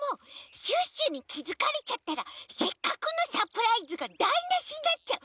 シュッシュにきづかれちゃったらせっかくのサプライズがだいなしになっちゃう！